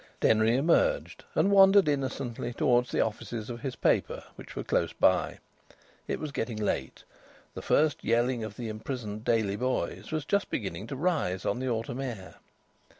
Denry emerged and wandered innocently towards the offices of his paper, which were close by. It was getting late. The first yelling of the imprisoned Daily boys was just beginning to rise on the autumn air.